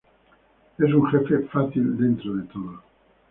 Es un jefe fácil dentro de todo.